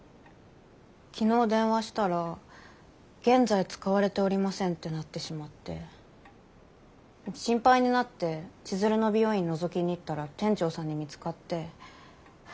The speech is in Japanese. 昨日電話したら「現在使われておりません」ってなってしまって心配になって千鶴の美容院のぞきに行ったら店長さんに見つかって。